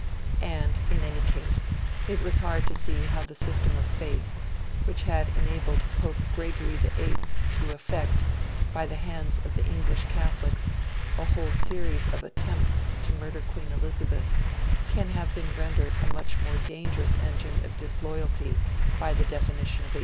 And, in any case, it was hard to see how the system of Faith, which had enabled Pope Gregory XIII to effect, by the hands of English Catholics, a whole series of attempts to murder Queen Elizabeth, can have been rendered a much more dangerous engine of disloyalty by the Definition of 1870.